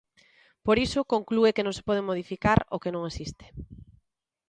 Por iso, conclúe que non se pode modificar o que non existe.